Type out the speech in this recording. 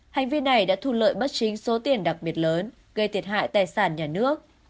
hành vi này đã thu lợi bất chính số tiền đặc biệt lớn gây thiệt hại tài sản nhà nước